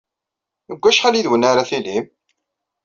Deg wacḥal yid-wen ara tilim?